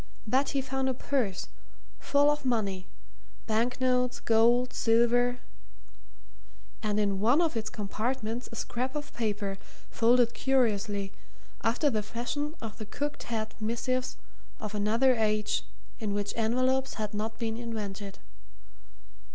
But he found a purse, full of money banknotes, gold, silver and in one of its compartments a scrap of paper folded curiously, after the fashion of the cocked hat missives of another age in which envelopes had not been invented.